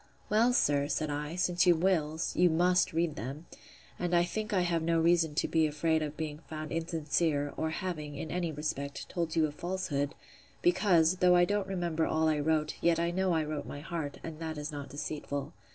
Well, sir, said I, since you will, you must read them; and I think I have no reason to be afraid of being found insincere, or having, in any respect, told you a falsehood; because, though I don't remember all I wrote, yet I know I wrote my heart; and that is not deceitful.